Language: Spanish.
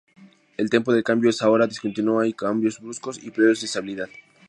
El tempo del cambio es ahora discontinuo, hay cambios bruscos y periodos de estabilidad.